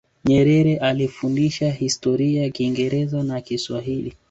nyerere alifundisha historia kingereza na kiswahili